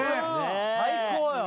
最高よ！